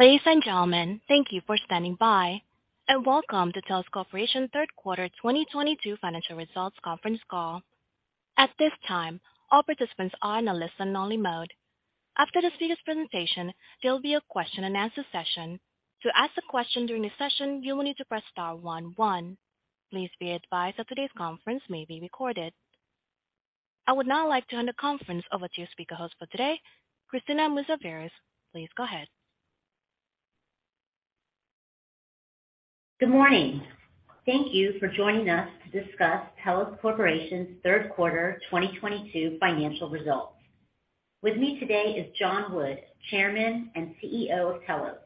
Ladies and gentlemen, thank you for standing by, and welcome to Telos Corporation third quarter 2022 financial results conference call. At this time, all participants are in a listen only mode. After the speaker's presentation, there'll be a question and answer session. To ask a question during the session, you will need to press star one one. Please be advised that today's conference may be recorded. I would now like to hand the conference over to your speaker host for today, Christina Mouzavires. Please go ahead. Good morning. Thank you for joining us to discuss Telos Corporation's third quarter 2022 financial results. With me today is John Wood, Chairman and CEO of Telos,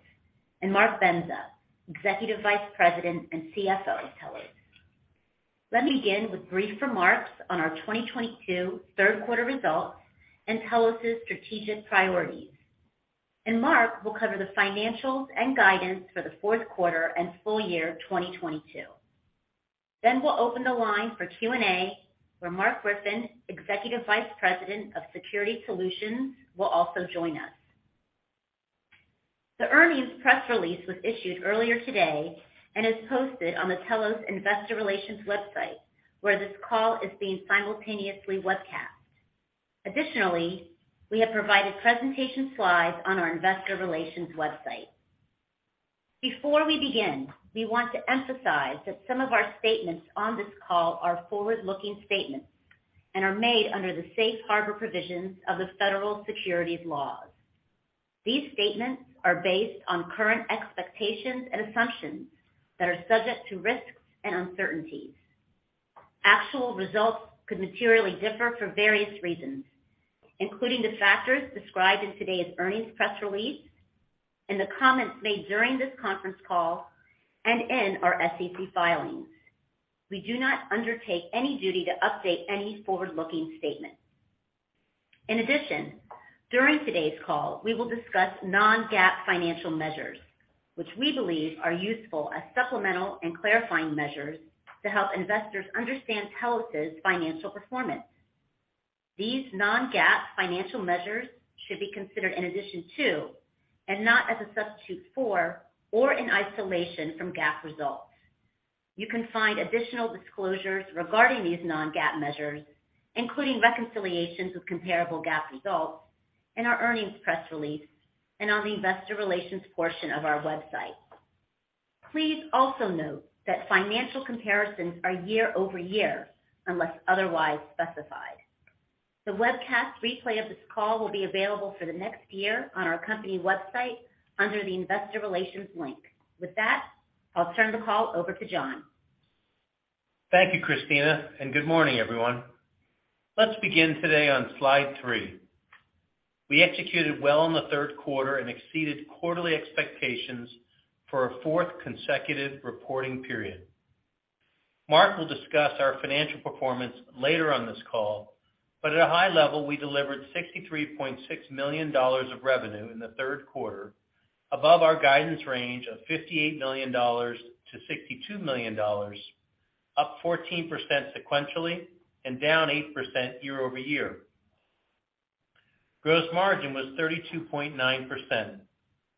and Mark Bendza, Executive Vice President and CFO of Telos. Let me begin with brief remarks on our 2022 third quarter results and Telos' strategic priorities. Mark will cover the financials and guidance for the fourth quarter and full year 2022. We'll open the line for Q&A, where Mark Griffin, Executive Vice President of Security Solutions, will also join us. The earnings press release was issued earlier today and is posted on the Telos Investor Relations website, where this call is being simultaneously webcast. Additionally, we have provided presentation slides on our investor relations website. Before we begin, we want to emphasize that some of our statements on this call are forward-looking statements and are made under the safe harbor provisions of the Federal Securities Laws. These statements are based on current expectations and assumptions that are subject to risks and uncertainties. Actual results could materially differ for various reasons, including the factors described in today's earnings press release and the comments made during this conference call and in our SEC filings. We do not undertake any duty to update any forward-looking statement. In addition, during today's call, we will discuss non-GAAP financial measures, which we believe are useful as supplemental and clarifying measures to help investors understand Telos' financial performance. These non-GAAP financial measures should be considered in addition to and not as a substitute for or in isolation from GAAP results. You can find additional disclosures regarding these non-GAAP measures, including reconciliations of comparable GAAP results in our earnings press release and on the investor relations portion of our website. Please also note that financial comparisons are year-over-year, unless otherwise specified. The webcast replay of this call will be available for the next year on our company website under the investor relations link. With that, I'll turn the call over to John. Thank you, Christina, and good morning, everyone. Let's begin today on slide three. We executed well in the third quarter and exceeded quarterly expectations for a fourth consecutive reporting period. Mark will discuss our financial performance later on this call, but at a high level, we delivered $63.6 million of revenue in the third quarter, above our guidance range of $58 million-$62 million, up 14% sequentially, and down 8% year-over-year. Gross margin was 32.9%,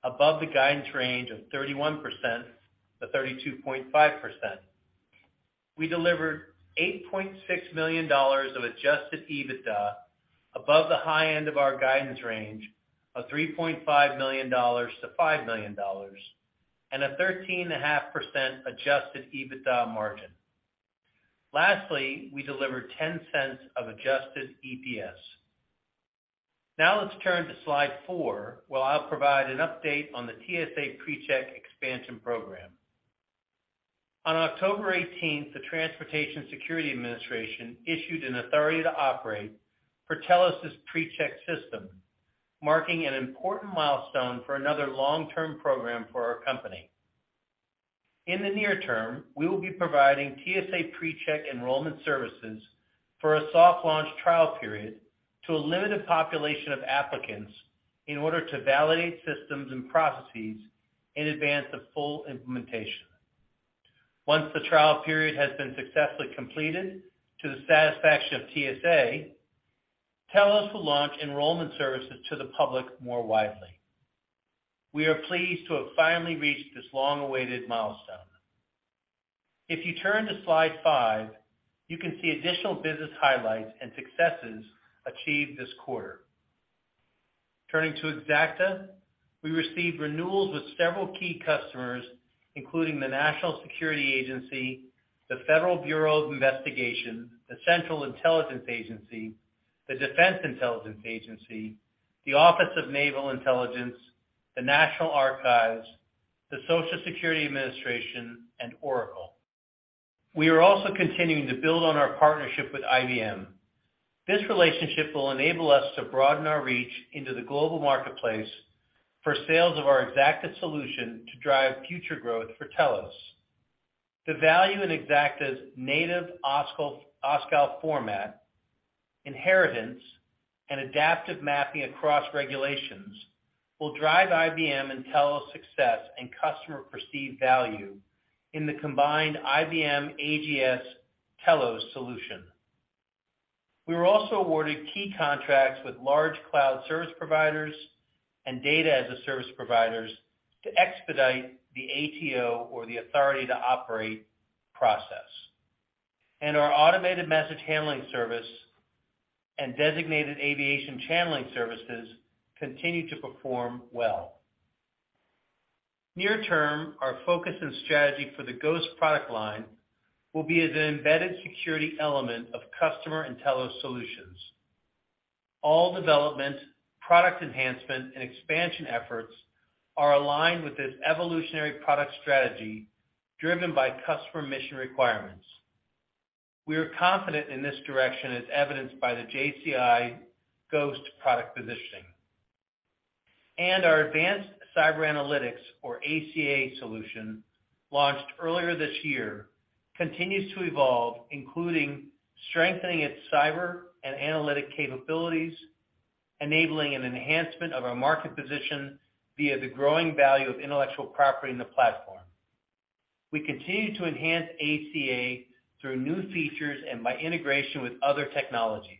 above the guidance range of 31%-32.5%. We delivered $8.6 million of adjusted EBITDA above the high end of our guidance range of $3.5 million-$5 million, and a 13.5% adjusted EBITDA margin. Lastly, we delivered $0.10 of adjusted EPS. Now, let's turn to slide four, where I'll provide an update on the TSA PreCheck expansion program. On October 18th, the Transportation Security Administration issued an authority to operate for Telos' PreCheck system, marking an important milestone for another long-term program for our company. In the near term, we will be providing TSA PreCheck enrollment services for a soft launch trial period to a limited population of applicants in order to validate systems and processes in advance of full implementation. Once the trial period has been successfully completed to the satisfaction of TSA, Telos will launch enrollment services to the public more widely. We are pleased to have finally reached this long-awaited milestone. If you turn to slide five, you can see additional business highlights and successes achieved this quarter. Turning to Xacta, we received renewals with several key customers, including the National Security Agency, the Federal Bureau of Investigation, the Central Intelligence Agency, the Defense Intelligence Agency, the Office of Naval Intelligence, the National Archives, the Social Security Administration, and Oracle. We are also continuing to build on our partnership with IBM. This relationship will enable us to broaden our reach into the global marketplace for sales of our Xacta solution to drive future growth for Telos. The value in Xacta's native OSCAL format, inheritance, and adaptive mapping across regulations will drive IBM and Telos' success and customer perceived value in the combined IBM AGS-Telos solution. We were also awarded key contracts with large cloud service providers and data as a service providers to expedite the ATO or the Authority to Operate process. Our automated message handling service and designated aviation channeling services continue to perform well. Near term, our focus and strategy for the Ghost product line will be as an embedded security element of customer Intel solutions. All development, product enhancement, and expansion efforts are aligned with this evolutionary product strategy driven by customer mission requirements. We are confident in this direction as evidenced by the JCI Ghost product positioning. Our advanced cyber analytics or ACA solution launched earlier this year continues to evolve, including strengthening its cyber and analytic capabilities, enabling an enhancement of our market position via the growing value of intellectual property in the platform. We continue to enhance ACA through new features and by integration with other technologies.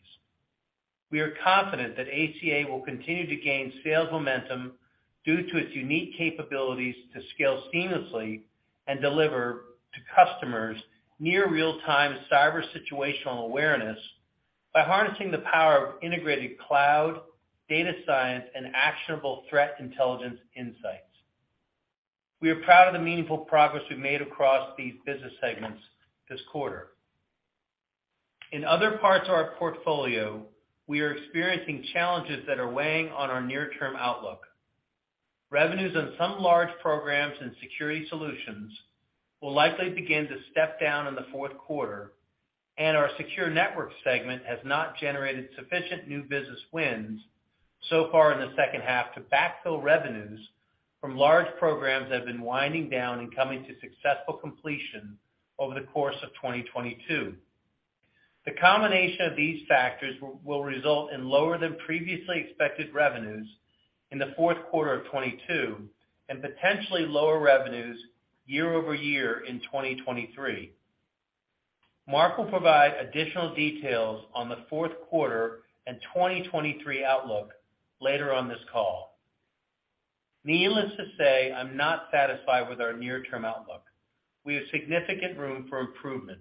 We are confident that ACA will continue to gain sales momentum due to its unique capabilities to scale seamlessly and deliver to customers near real-time cyber situational awareness by harnessing the power of integrated cloud, data science, and actionable threat intelligence insights. We are proud of the meaningful progress we've made across these business segments this quarter. In other parts of our portfolio, we are experiencing challenges that are weighing on our near-term outlook. Revenues on some large programs and Security Solutions will likely begin to step down in the fourth quarter, and our Secure Networks segment has not generated sufficient new business wins so far in the second half to backfill revenues from large programs that have been winding down and coming to successful completion over the course of 2022. The combination of these factors will result in lower than previously expected revenues in the fourth quarter of 2022 and potentially lower revenues year-over-year in 2023. Mark will provide additional details on the fourth quarter and 2023 outlook later on this call. Needless to say, I'm not satisfied with our near-term outlook. We have significant room for improvement.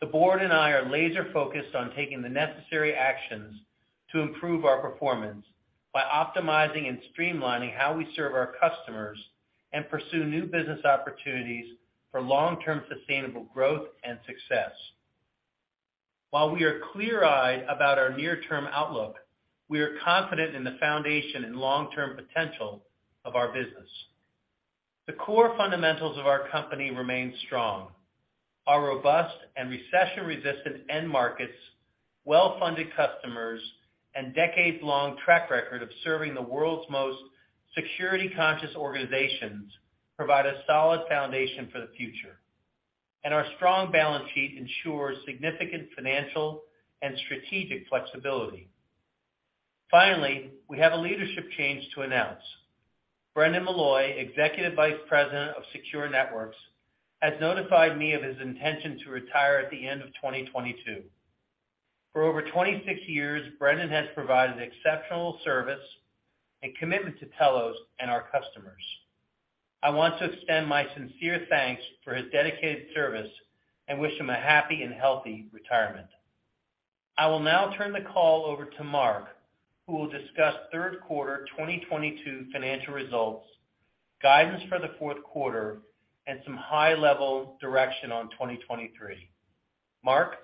The board and I are laser-focused on taking the necessary actions to improve our performance by optimizing and streamlining how we serve our customers and pursue new business opportunities for long-term sustainable growth and success. While we are clear-eyed about our near-term outlook, we are confident in the foundation and long-term potential of our business. The core fundamentals of our company remain strong. Our robust and recession-resistant end markets, well-funded customers, and decades-long track record of serving the world's most security-conscious organizations provide a solid foundation for the future. Our strong balance sheet ensures significant financial and strategic flexibility. Finally, we have a leadership change to announce. Brendan Malloy, Executive Vice President of Secure Networks, has notified me of his intention to retire at the end of 2022. For over 26 years, Brendan has provided exceptional service and commitment to Telos and our customers. I want to extend my sincere thanks for his dedicated service and wish him a happy and healthy retirement. I will now turn the call over to Mark, who will discuss third quarter 2022 financial results, guidance for the fourth quarter, and some high-level direction on 2023. Mark?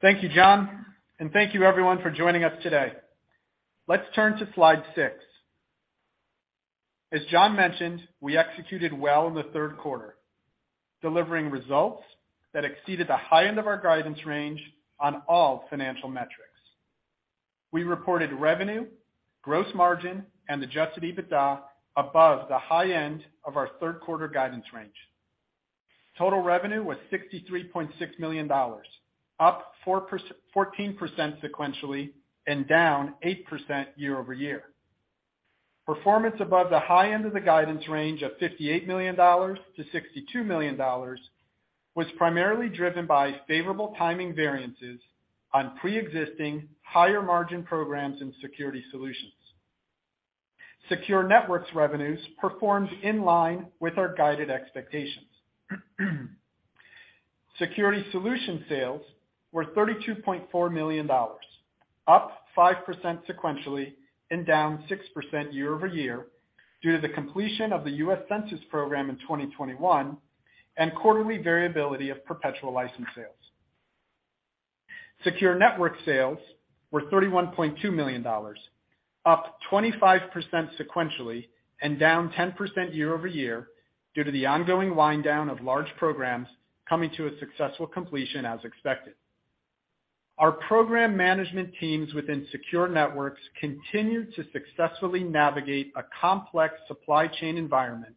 Thank you, John, and thank you everyone for joining us today. Let's turn to slide six. As John mentioned, we executed well in the third quarter, delivering results that exceeded the high end of our guidance range on all financial metrics. We reported revenue, gross margin, and adjusted EBITDA above the high end of our third quarter guidance range. Total revenue was $63.6 million, up 4%-14% sequentially and down 8% year-over-year. Performance above the high end of the guidance range of $58 million-$62 million was primarily driven by favorable timing variances on pre-existing higher-margin programs and Security Solutions. Secure Networks revenues performed in line with our guided expectations. Security Solutions sales were $32.4 million, up 5% sequentially and down 6% year-over-year due to the completion of the U.S. Census program in 2021 and quarterly variability of perpetual license sales. Secure Networks sales were $31.2 million, up 25% sequentially and down 10% year-over-year due to the ongoing wind down of large programs coming to a successful completion as expected. Our program management teams within Secure Networks continue to successfully navigate a complex supply chain environment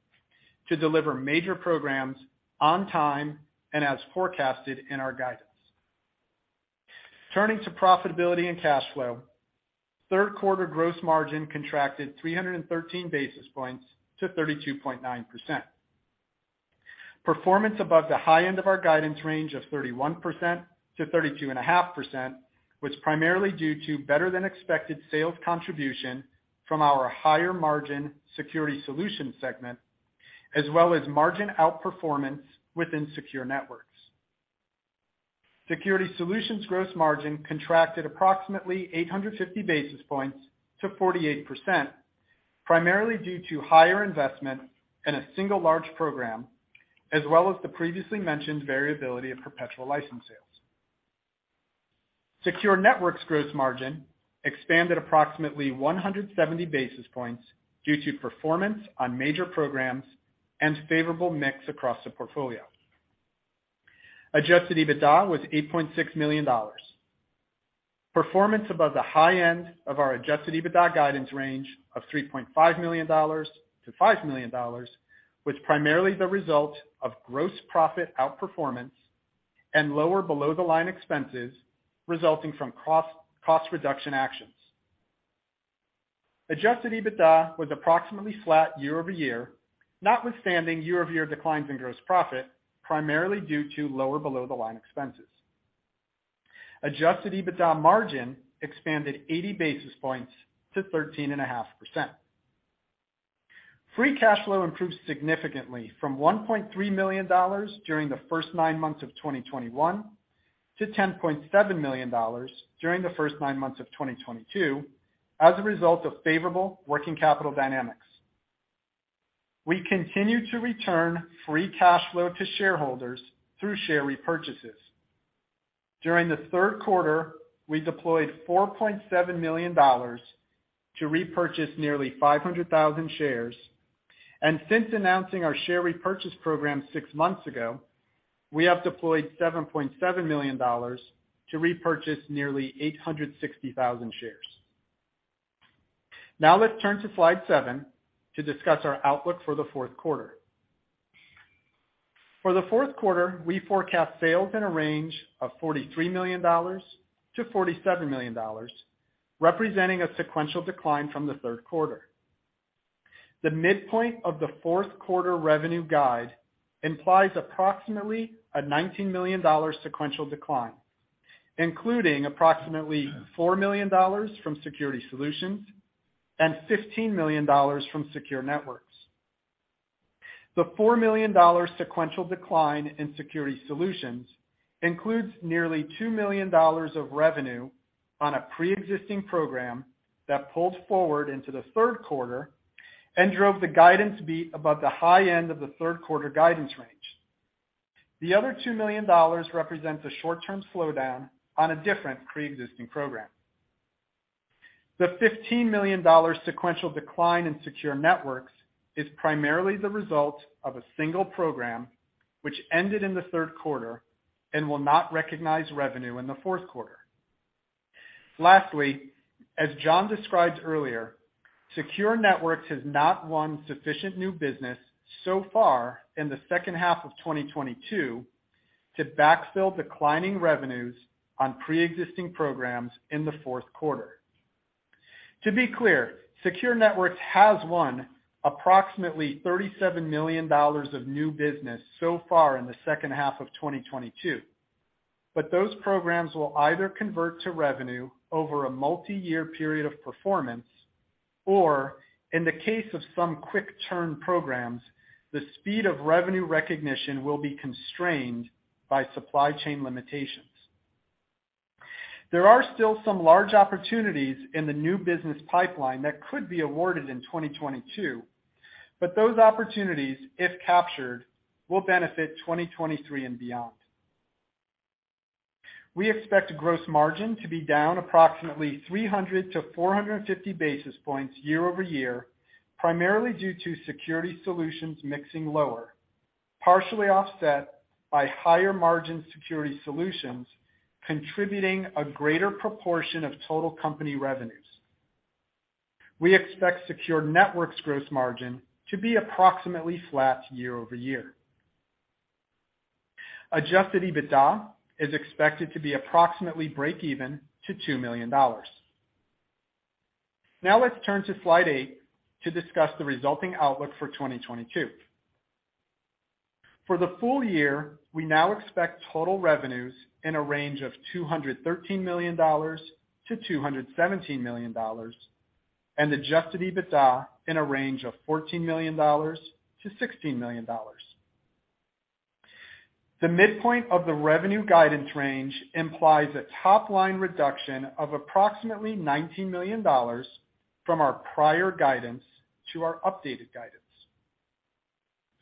to deliver major programs on time and as forecasted in our guidance. Turning to profitability and cash flow, third quarter gross margin contracted 313 basis points to 32.9%. Performance above the high end of our guidance range of 31%-32.5%, was primarily due to better than expected sales contribution from our higher margin Security Solutions segment, as well as margin outperformance within Secure Networks. Security Solutions gross margin contracted approximately 850 basis points to 48%, primarily due to higher investment in a single large program, as well as the previously mentioned variability of perpetual license sales. Secure Networks gross margin expanded approximately 170 basis points due to performance on major programs and favorable mix across the portfolio. Adjusted EBITDA was $8.6 million. Performance above the high end of our adjusted EBITDA guidance range of $3.5 million-$5 million was primarily the result of gross profit outperformance and lower below-the-line expenses resulting from cross-cost reduction actions. Adjusted EBITDA was approximately flat year-over-year, notwithstanding year-over-year declines in gross profit, primarily due to lower below-the-line expenses. Adjusted EBITDA margin expanded 80 basis points to 13.5%. Free cash flow improved significantly from $1.3 million during the first nine months of 2021 to $10.7 million during the first nine months of 2022, as a result of favorable working capital dynamics. We continue to return free cash flow to shareholders through share repurchases. During the third quarter, we deployed $4.7 million to repurchase nearly 500,000 shares, and since announcing our share repurchase program six months ago, we have deployed $7.7 million to repurchase nearly 860,000 shares. Now let's turn to slide seven to discuss our outlook for the fourth quarter. For the fourth quarter, we forecast sales in a range of $43 million-$47 million, representing a sequential decline from the third quarter. The midpoint of the fourth quarter revenue guide implies approximately a $19 million sequential decline, including approximately $4 million from Security Solutions and $15 million from Secure Networks. The $4 million sequential decline in Security Solutions includes nearly $2 million of revenue on a pre-existing program that pulled forward into the third quarter and drove the guidance beat above the high end of the third quarter guidance range. The other $2 million represents a short-term slowdown on a different pre-existing program. The $15 million sequential decline in Secure Networks is primarily the result of a single program which ended in the third quarter and will not recognize revenue in the fourth quarter. Lastly, as John described earlier, Secure Networks has not won sufficient new business so far in the second half of 2022 to backfill declining revenues on pre-existing programs in the fourth quarter. To be clear, Secure Networks has won approximately $37 million of new business so far in the second half of 2022, but those programs will either convert to revenue over a multi-year period of performance, or in the case of some quick turn programs, the speed of revenue recognition will be constrained by supply chain limitations. There are still some large opportunities in the new business pipeline that could be awarded in 2022, but those opportunities, if captured, will benefit 2023 and beyond. We expect gross margin to be down approximately 300-450 basis points year-over-year, primarily due to Security Solutions mix in lower, partially offset by higher-margin Security Solutions, contributing a greater proportion of total company revenues. We expect Secure Networks gross margin to be approximately flat year-over-year. Adjusted EBITDA is expected to be approximately break-even to $2 million. Now let's turn to slide eight to discuss the resulting outlook for 2022. For the full year, we now expect total revenues in a range of $213 million-$217 million, and adjusted EBITDA in a range of $14 million-$16 million. The midpoint of the revenue guidance range implies a top-line reduction of approximately $19 million from our prior guidance to our updated guidance.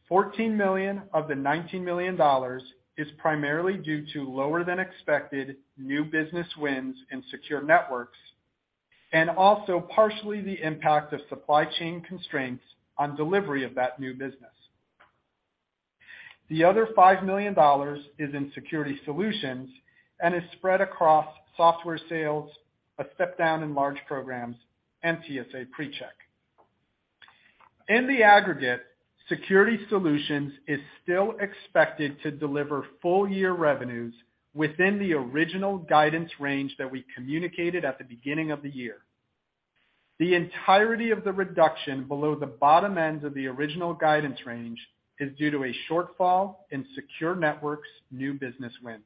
$14 million of the $19 million is primarily due to lower than expected new business wins in Secure Networks and also partially the impact of supply chain constraints on delivery of that new business. The other $5 million is in Security Solutions and is spread across software sales, a step down in large programs, and TSA PreCheck. In the aggregate, Security Solutions is still expected to deliver full-year revenues within the original guidance range that we communicated at the beginning of the year. The entirety of the reduction below the bottom end of the original guidance range is due to a shortfall in Secure Networks new business wins.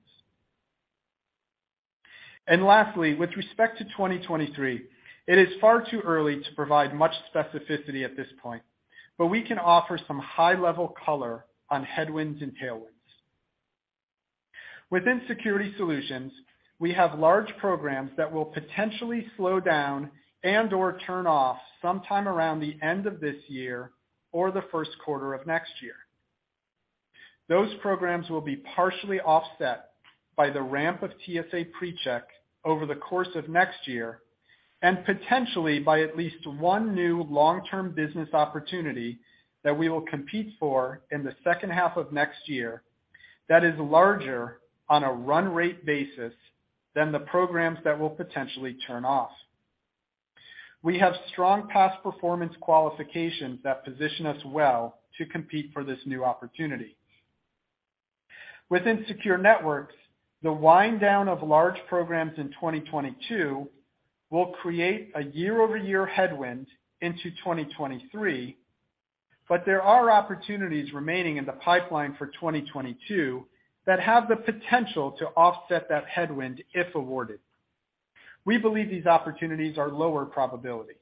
Lastly, with respect to 2023, it is far too early to provide much specificity at this point, but we can offer some high-level color on headwinds and tailwinds. Within Security Solutions, we have large programs that will potentially slow down and or turn off sometime around the end of this year or the first quarter of next year. Those programs will be partially offset by the ramp of TSA PreCheck over the course of next year, and potentially by at least one new long-term business opportunity that we will compete for in the second half of next year that is larger on a run rate basis than the programs that will potentially turn off. We have strong past performance qualifications that position us well to compete for this new opportunity. Within Secure Networks, the wind down of large programs in 2022 will create a year-over-year headwind into 2023, but there are opportunities remaining in the pipeline for 2022 that have the potential to offset that headwind if awarded. We believe these opportunities are lower probability.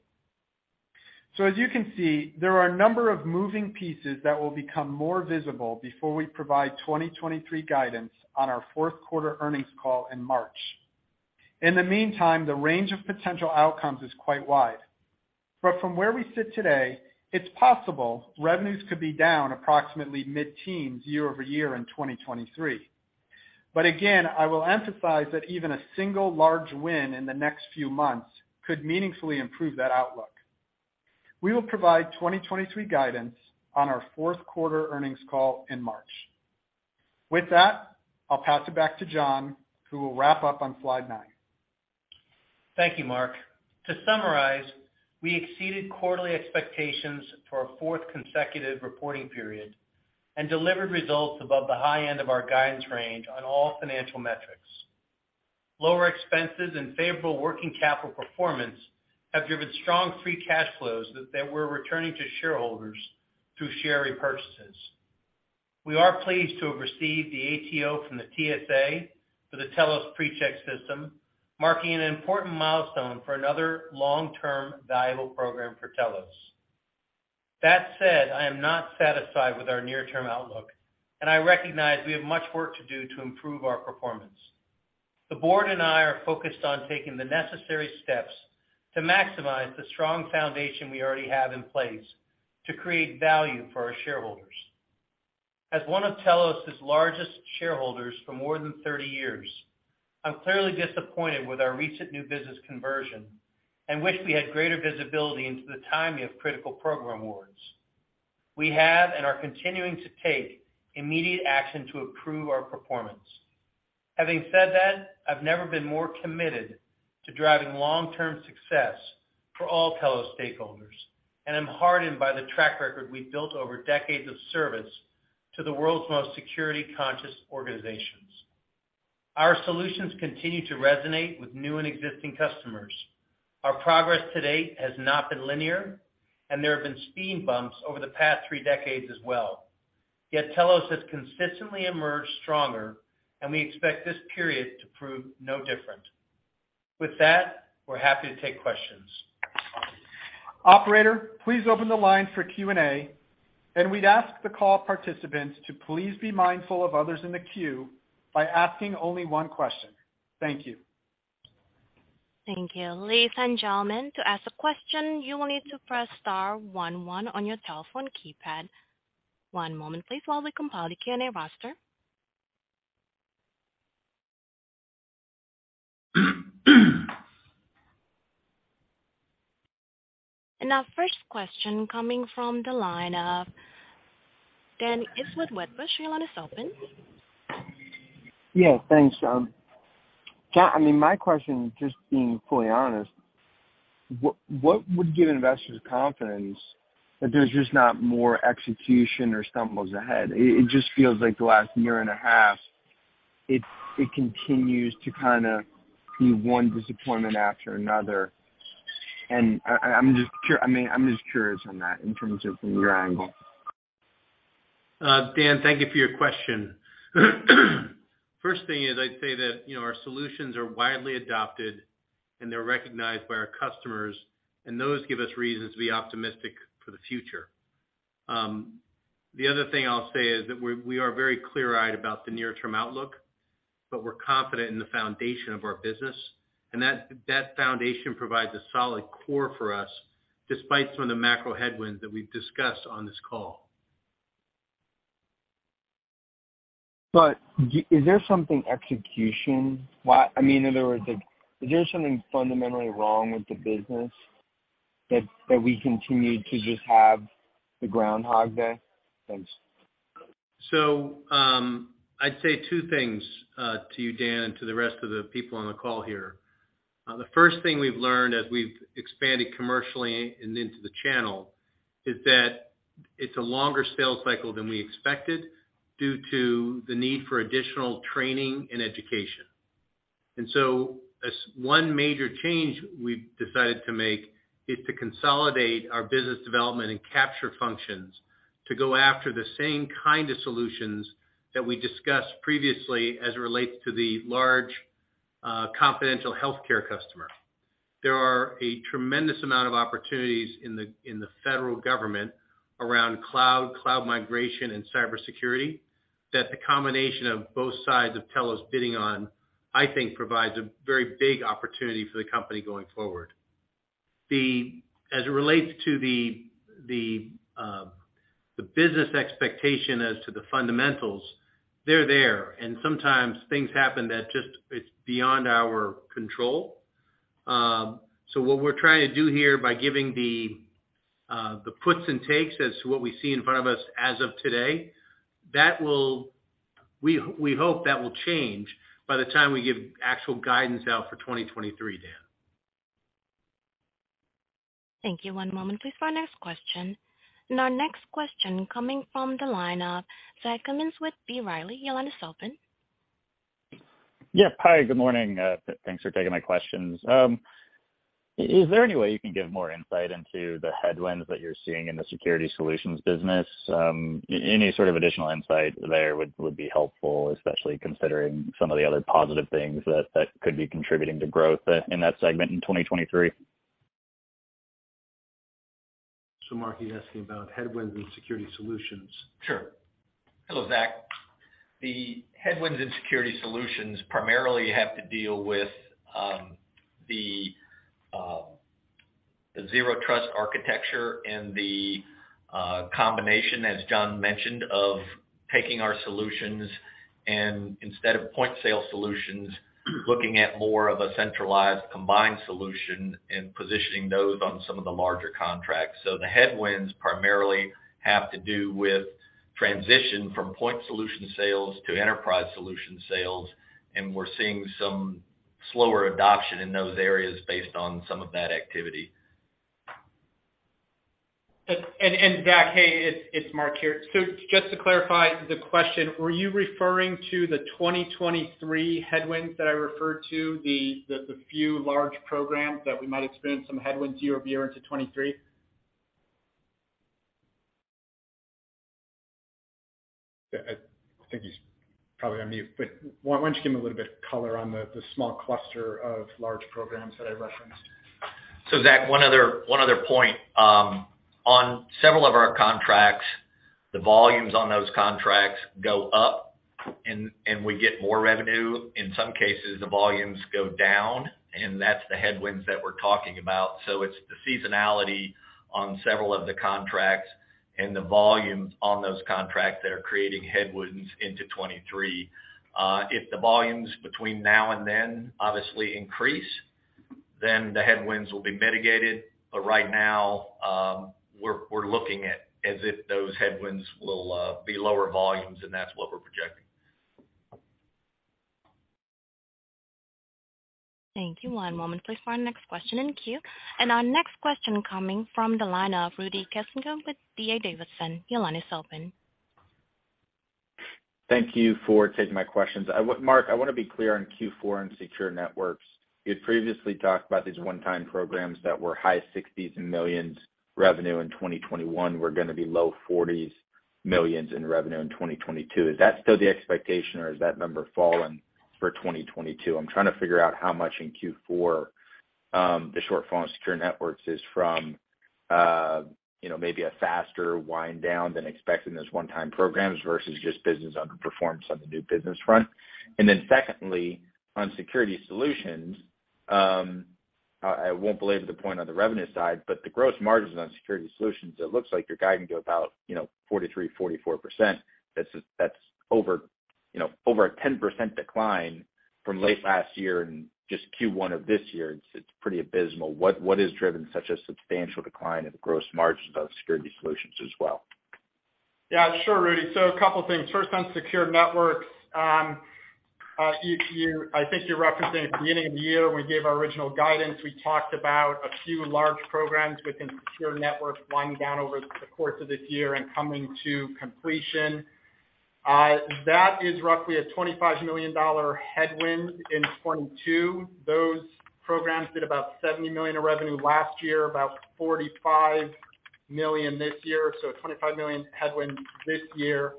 As you can see, there are a number of moving pieces that will become more visible before we provide 2023 guidance on our fourth quarter earnings call in March. In the meantime, the range of potential outcomes is quite wide. From where we sit today, it's possible revenues could be down approximately mid-teens year-over-year in 2023. Again, I will emphasize that even a single large win in the next few months could meaningfully improve that outlook. We will provide 2023 guidance on our fourth quarter earnings call in March. With that, I'll pass it back to John, who will wrap up on slide nine. Thank you, Mark. To summarize, we exceeded quarterly expectations for a fourth consecutive reporting period and delivered results above the high end of our guidance range on all financial metrics. Lower expenses and favorable working capital performance have driven strong free cash flows that we're returning to shareholders through share repurchases. We are pleased to have received the ATO from the TSA for the TSA PreCheck system, marking an important milestone for another long-term valuable program for Telos. That said, I am not satisfied with our near-term outlook, and I recognize we have much work to do to improve our performance. The board and I are focused on taking the necessary steps to maximize the strong foundation we already have in place to create value for our shareholders. As one of Telos' largest shareholders for more than 30 years, I'm clearly disappointed with our recent new business conversion and wish we had greater visibility into the timing of critical program awards. We have and are continuing to take immediate action to improve our performance. Having said that, I've never been more committed to driving long-term success for all Telos stakeholders, and I'm heartened by the track record we've built over decades of service to the world's most security-conscious organizations. Our solutions continue to resonate with new and existing customers. Our progress to date has not been linear, and there have been speed bumps over the past three decades as well. Yet Telos has consistently emerged stronger, and we expect this period to prove no different. With that, we're happy to take questions. Operator, please open the line for Q&A, and we'd ask the call participants to please be mindful of others in the queue by asking only one question. Thank you. Thank you. Ladies and gentlemen, to ask a question, you will need to press star one one on your telephone keypad. One moment please while we compile the Q&A roster. Our first question coming from the line of Dan Ives with Wedbush. Your line is open. Yeah, thanks. John, I mean, my question, just being fully honest, what would give investors confidence that there's just not more execution or stumbles ahead? It just feels like the last year and a half, it continues to kinda be one disappointment after another. I'm just curious on that in terms of your angle. Dan, thank you for your question. First thing is I'd say that, you know, our solutions are widely adopted, and they're recognized by our customers, and those give us reasons to be optimistic for the future. The other thing I'll say is that we are very clear-eyed about the near-term outlook, but we're confident in the foundation of our business. That foundation provides a solid core for us despite some of the macro headwinds that we've discussed on this call. I mean, in other words, like, is there something fundamentally wrong with the business that we continue to just have the Groundhog Day? Thanks. I'd say two things to you, Dan, and to the rest of the people on the call here. The first thing we've learned as we've expanded commercially and into the channel is that It's a longer sales cycle than we expected due to the need for additional training and education. One major change we've decided to make is to consolidate our business development and capture functions to go after the same kind of solutions that we discussed previously as it relates to the large, confidential healthcare customer. There are a tremendous amount of opportunities in the federal government around cloud migration and cybersecurity, that the combination of both sides of Telos bidding on, I think, provides a very big opportunity for the company going forward. As it relates to the business expectation as to the fundamentals, they're there, and sometimes things happen that just it's beyond our control. What we're trying to do here by giving the puts and takes as to what we see in front of us as of today, that will, we hope that will change by the time we give actual guidance out for 2023, Dan. Thank you. One moment please for our next question. Our next question coming from the line of Zach Cummins with B. Riley. Your line is open. Yeah. Hi, good morning. Thanks for taking my questions. Is there any way you can give more insight into the headwinds that you're seeing in the Security Solutions business? Any sort of additional insight there would be helpful, especially considering some of the other positive things that could be contributing to growth in that segment in 2023. Mark, he's asking about headwinds in Security Solutions. Sure. Hello, Zach. The headwinds in Security Solutions primarily have to deal with the Zero Trust Architecture and the combination, as John mentioned, of taking our solutions and instead of point solutions, looking at more of a centralized combined solution and positioning those on some of the larger contracts. The headwinds primarily have to do with transition from point solution sales to enterprise solution sales, and we're seeing some slower adoption in those areas based on some of that activity. Zach, hey, it's Mark here. So just to clarify the question, were you referring to the 2023 headwinds that I referred to, the few large programs that we might experience some headwinds year-over-year into 2023? I think he's probably on mute, but why don't you give him a little bit of color on the small cluster of large programs that I referenced. Zach, one other point on several of our contracts, the volumes on those contracts go up and we get more revenue. In some cases, the volumes go down, and that's the headwinds that we're talking about. It's the seasonality on several of the contracts and the volumes on those contracts that are creating headwinds into 2023. If the volumes between now and then obviously increase, then the headwinds will be mitigated. Right now, we're looking at as if those headwinds will be lower volumes, and that's what we're projecting. Thank you. One moment please for our next question in queue. Our next question coming from the line of Rudy Kessinger with D.A. Davidson. Your line is open. Thank you for taking my questions. Mark, I wanna be clear on Q4 and Secure Networks. You had previously talked about these one-time programs that were high $60 million in revenue in 2021, were gonna be low $40 million in revenue in 2022. Is that still the expectation or has that number fallen for 2022? I'm trying to figure out how much in Q4 the shortfall in Secure Networks is from, you know, maybe a faster wind down than expected in those one-time programs versus just business underperformance on the new business front. Secondly, on Security Solutions, I won't belabor the point on the revenue side, but the gross margins on Security Solutions, it looks like you're guiding to about, you know, 43%-44%. That's over, you know, over a 10% decline from late last year and just Q1 of this year. It's pretty abysmal. What has driven such a substantial decline in the gross margins of Security Solutions as well? Yeah, sure, Rudy. A couple things. First, on Secure Networks, I think you're referencing at the beginning of the year when we gave our original guidance. We talked about a few large programs within Secure Networks winding down over the course of this year and coming to completion. That is roughly a $25 million headwind in 2022. Those programs did about $70 million of revenue last year, about $45 million this year, so a $25 million headwind this year.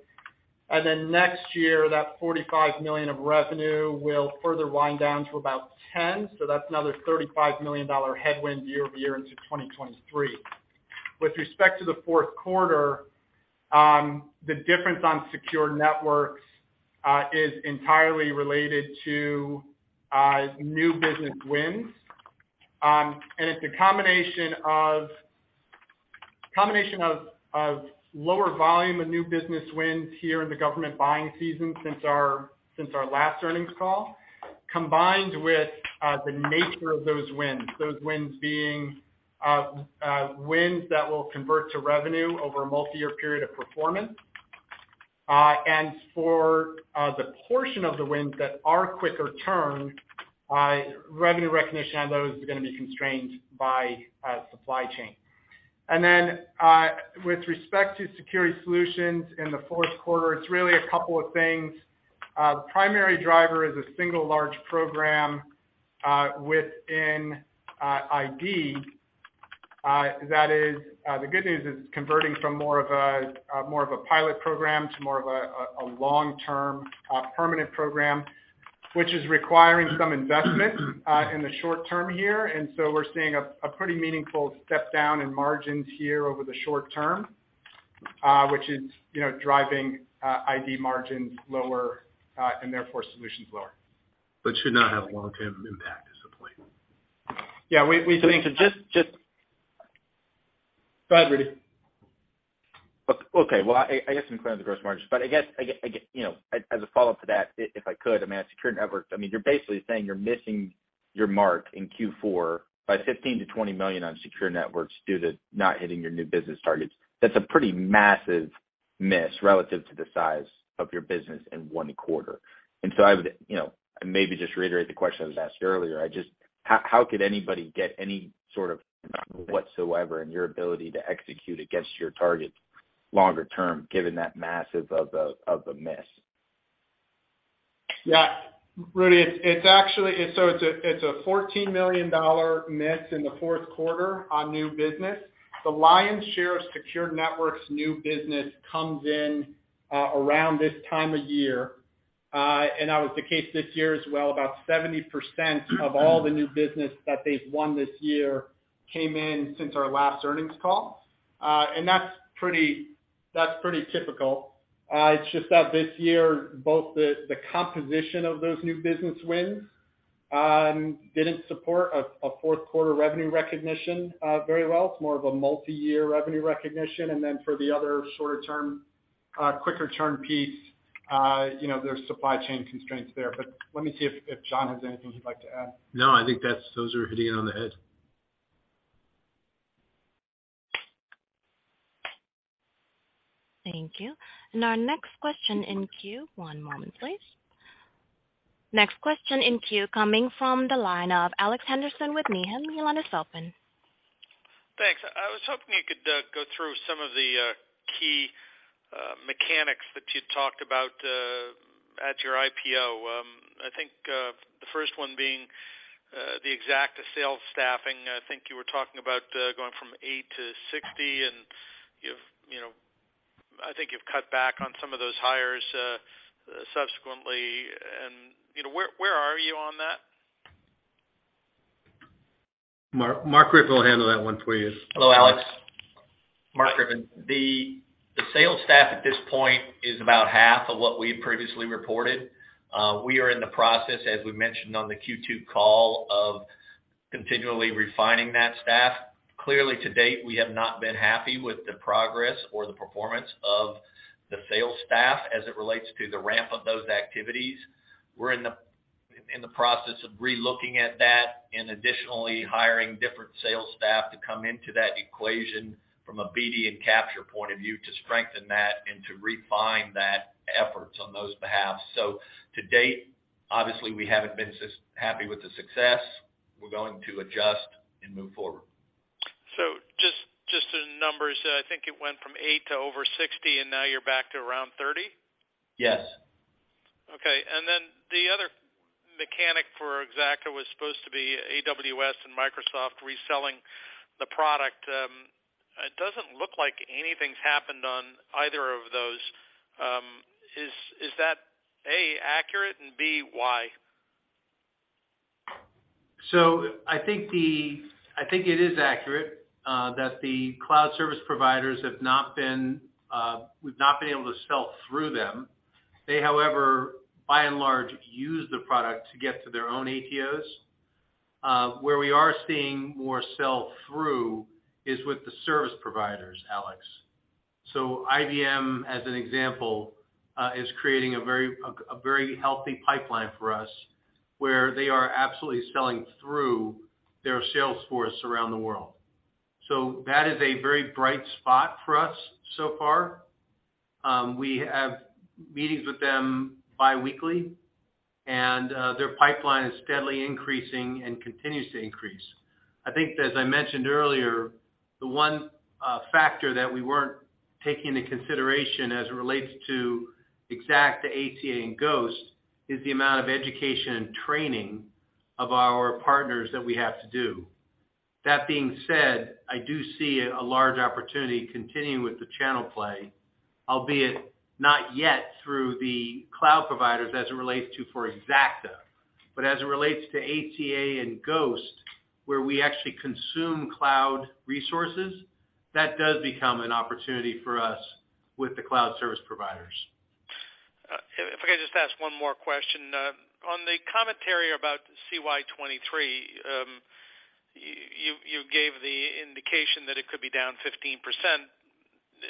Next year, that $45 million of revenue will further wind down to about $10 million, so that's another $35 million headwind year-over-year into 2023. With respect to the fourth quarter, the difference on Secure Networks is entirely related to new business wins. It's a combination of lower volume of new business wins here in the government buying season since our last earnings call, combined with the nature of those wins, those wins being wins that will convert to revenue over a multi-year period of performance. For the portion of the wins that are quicker turn, revenue recognition on those is gonna be constrained by supply chain. With respect to Security Solutions in the fourth quarter, it's really a couple of things. The primary driver is a single large program within ID. That is, the good news is it's converting from more of a pilot program to more of a long-term permanent program, which is requiring some investment in the short term here. We're seeing a pretty meaningful step-down in margins here over the short term, which is, you know, driving ID margins lower, and therefore solutions lower. Should not have long-term impact is the point. Yeah, we just. Go ahead, Rudy. Okay. Well, I guess I'm clear on the gross margins. I guess you know, as a follow-up to that, if I could, I mean, at Secure Networks, I mean, you're basically saying you're missing your mark in Q4 by $15 million-$20 million on Secure Networks due to not hitting your new business targets. That's a pretty massive miss relative to the size of your business in one quarter. I would, you know, maybe just reiterate the question I was asked earlier. How could anybody get any sort of confidence whatsoever in your ability to execute against your targets longer term, given that massive of a miss? Yeah. Rudy, it's actually. It's a $14 million miss in the fourth quarter on new business. The lion's share of Secure Networks new business comes in around this time of year. That was the case this year as well. About 70% of all the new business that they've won this year came in since our last earnings call. That's pretty typical. It's just that this year, both the composition of those new business wins didn't support a fourth quarter revenue recognition very well. It's more of a multiyear revenue recognition. For the other shorter term quicker turn piece, you know, there's supply chain constraints there. Let me see if John has anything he'd like to add. No, I think those are hitting it on the head. Thank you. Our next question in queue. One moment, please. Next question in queue coming from the line of Alex Henderson with Needham. Thanks. I was hoping you could go through some of the key mechanics that you talked about at your IPO. I think the first one being the exec sales staffing. I think you were talking about going from eight to 60, and you've, you know, I think you've cut back on some of those hires subsequently. You know, where are you on that? Mark Griffin will handle that one for you. Hello, Alex. Mark Griffin. The sales staff at this point is about half of what we previously reported. We are in the process, as we mentioned on the Q2 call, of continually refining that staff. Clearly, to date, we have not been happy with the progress or the performance of the sales staff as it relates to the ramp of those activities. We're in the process of relooking at that and additionally hiring different sales staff to come into that equation from a BD and capture point of view to strengthen that and to refine that efforts on those behalves. To date, obviously, we haven't been happy with the success. We're going to adjust and move forward. Just the numbers, I think it went from eight to over 60, and now you're back to around 30? Yes. Okay. The other mechanic for Xacta was supposed to be AWS and Microsoft reselling the product. It doesn't look like anything's happened on either of those. Is that A, accurate and B, why? I think it is accurate that the cloud service providers have not been, we've not been able to sell through them. They, however, by and large, use the product to get to their own ATOs. Where we are seeing more sell through is with the service providers, Alex. IBM, as an example, is creating a very healthy pipeline for us, where they are absolutely selling through their sales force around the world. That is a very bright spot for us so far. We have meetings with them biweekly, and their pipeline is steadily increasing and continues to increase. I think, as I mentioned earlier, the one factor that we weren't taking into consideration as it relates to Xacta, ATA and Ghost is the amount of education and training of our partners that we have to do. That being said, I do see a large opportunity continuing with the channel play, albeit not yet through the cloud providers as it relates to Xacta. As it relates to ATA and Ghost, where we actually consume cloud resources, that does become an opportunity for us with the cloud service providers. If I could just ask one more question. On the commentary about CY 2023, you gave the indication that it could be down 15%.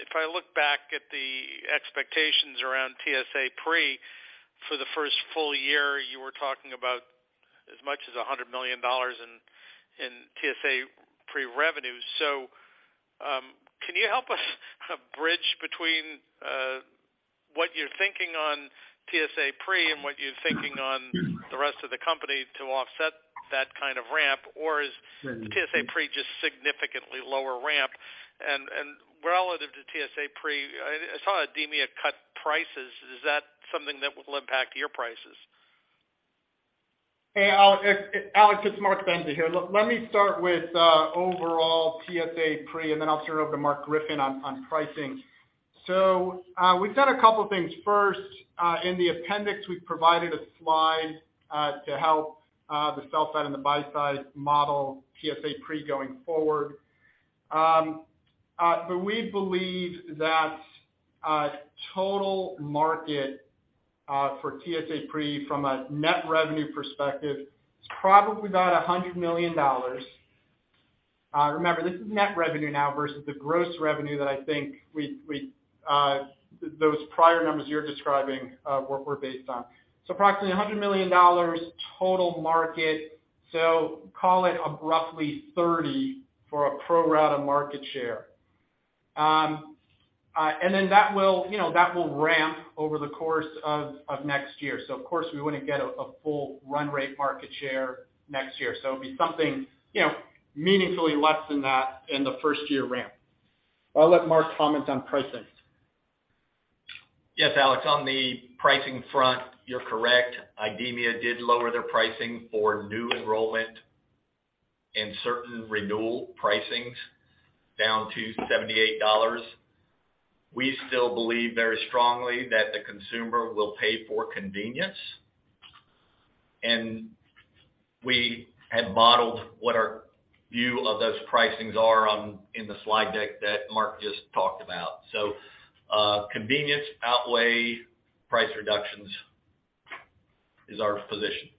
If I look back at the expectations around TSA PreCheck for the first full year, you were talking about as much as $100 million in TSA PreCheck revenues. Can you help us bridge between what you're thinking on TSA PreCheck and what you're thinking on the rest of the company to offset that kind of ramp? Or is TSA PreCheck just significantly lower ramp? Relative to TSA PreCheck, I saw IDEMIA cut prices. Is that something that will impact your prices? Hey, Alex. Alex, it's Mark Bendza here. Look, let me start with overall TSA Pre, and then I'll turn it over to Mark Griffin on pricing. We've done a couple things. First, in the appendix, we've provided a slide to help the sell side and the buy side model TSA Pre going forward. We believe that total market for TSA Pre from a net revenue perspective is probably about $100 million. Remember, this is net revenue now versus the gross revenue that I think those prior numbers you're describing were based on. Approximately $100 million total market. Call it roughly $30 million for a pro rata market share. That will, you know, that will ramp over the course of next year. Of course, we wouldn't get a full run rate market share next year. It'll be something, you know, meaningfully less than that in the first year ramp. I'll let Mark comment on pricing. Yes, Alex, on the pricing front, you're correct. IDEMIA did lower their pricing for new enrollment and certain renewal pricings down to $78. We still believe very strongly that the consumer will pay for convenience. We had modeled what our view of those pricings are on, in the slide deck that Mark just talked about. Convenience outweigh price reductions is our position.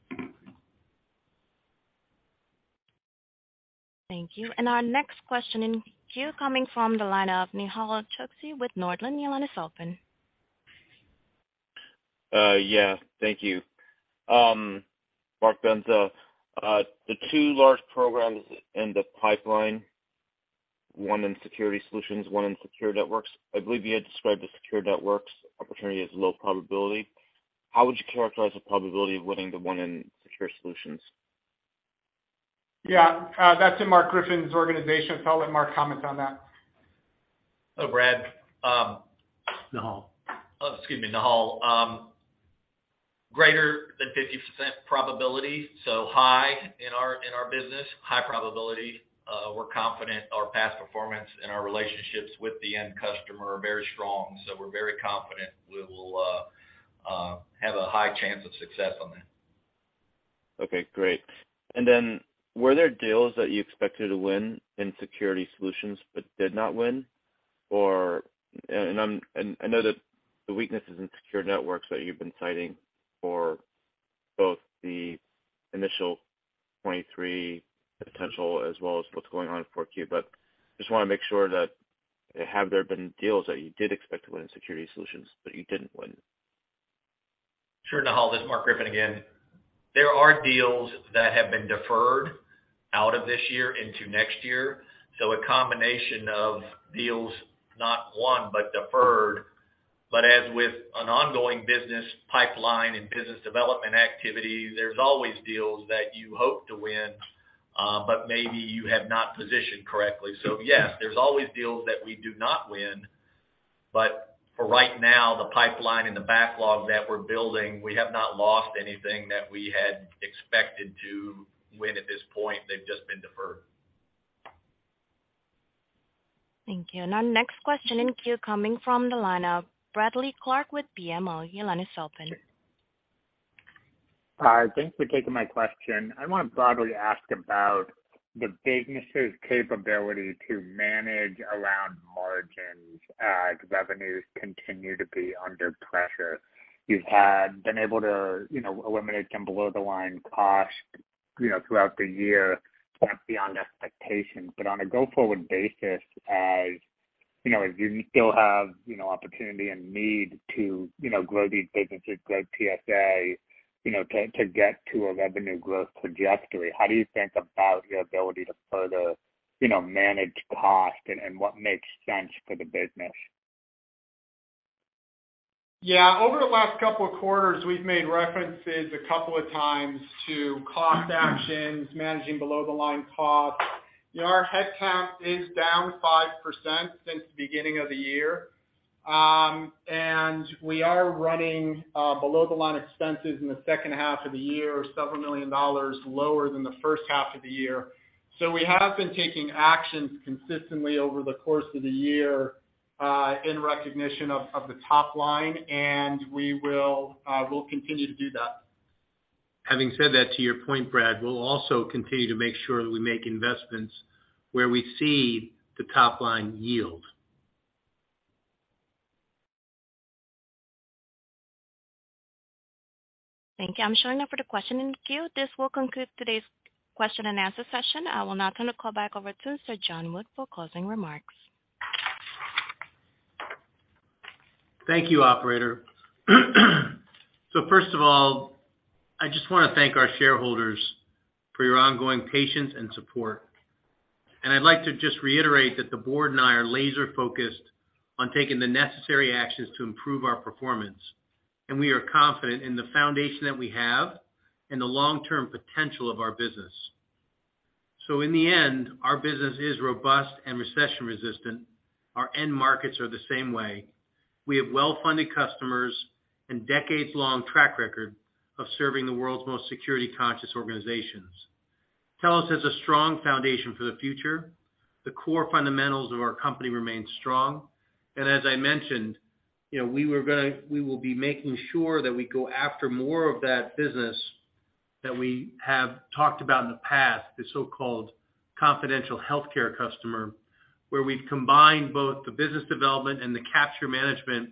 Thank you. Our next question in queue coming from the line of Nehal Chokshi with Northland. Your line is open. Yeah. Thank you. Mark Bendza, the two large programs in the pipeline, one in Security Solutions, one in Secure Networks. I believe you had described the Secure Networks opportunity as low probability. How would you characterize the probability of winning the one in Security Solutions? Yeah. That's in Mark Griffin's organization, so I'll let Mark comment on that. Hello, Brad. Nehal. Oh, excuse me, Nehal. Greater than 50% probability, so high in our business, high probability. We're confident our past performance and our relationships with the end customer are very strong. We're very confident we will have a high chance of success on that. Okay, great. Were there deals that you expected to win in Security Solutions but did not win? I know that the weaknesses in Secure Networks that you've been citing for both the initial 2023 potential as well as what's going on in 4Q. Just wanna make sure that have there been deals that you did expect to win in Security Solutions, but you didn't win? Sure, Nehal. This is Mark Griffin again. There are deals that have been deferred out of this year into next year. A combination of deals, not won, but deferred. As with an ongoing business pipeline and business development activity, there's always deals that you hope to win, but maybe you have not positioned correctly. Yes, there's always deals that we do not win. For right now, the pipeline and the backlog that we're building, we have not lost anything that we had expected to win at this point. They've just been deferred. Thank you. Our next question in queue coming from the line of Bradley Clark with BMO. Your line is open. Thanks for taking my question. I wanna broadly ask about the business' capability to manage around margins as revenues continue to be under pressure. You've had been able to, you know, eliminate some below the line costs, you know, throughout the year, that's beyond expectations. On a go-forward basis, as, you know, as you still have, you know, opportunity and need to, you know, grow these businesses, grow TSA, you know, to get to a revenue growth trajectory, how do you think about your ability to further, you know, manage cost and what makes sense for the business? Yeah. Over the last couple of quarters, we've made references a couple of times to cost actions, managing below the line costs. You know, our headcount is down 5% since the beginning of the year. We are running below the line expenses in the second half of the year several million dolars lower than the first half of the year. We have been taking actions consistently over the course of the year in recognition of the top line, and we'll continue to do that. Having said that, to your point, Brad, we'll also continue to make sure that we make investments where we see the top line yield. Thank you. I'm showing no further question in the queue. This will conclude today's question and answer session. I will now turn the call back over to Sir John Wood for closing remarks. Thank you, operator. First of all, I just wanna thank our shareholders for your ongoing patience and support. I'd like to just reiterate that the board and I are laser-focused on taking the necessary actions to improve our performance, and we are confident in the foundation that we have and the long-term potential of our business. In the end, our business is robust and recession-resistant. Our end markets are the same way. We have well-funded customers and decades-long track record of serving the world's most security-conscious organizations. Telos has a strong foundation for the future. The core fundamentals of our company remain strong. As I mentioned, you know, we will be making sure that we go after more of that business that we have talked about in the past, the so-called confidential healthcare customer, where we've combined both the business development and the capture management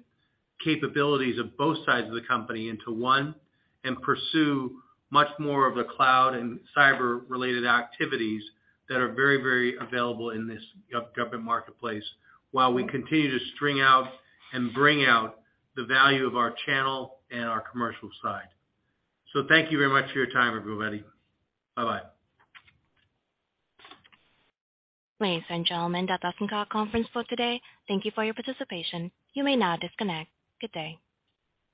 capabilities of both sides of the company into one, and pursue much more of the cloud and cyber-related activities that are very, very available in this go-government marketplace while we continue to string out and bring out the value of our channel and our commercial side. Thank you very much for your time, everybody. Bye-bye. Ladies and gentlemen, that does end our conference call today. Thank you for your participation. You may now disconnect. Good day.